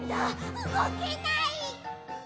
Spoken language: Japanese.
うごけない！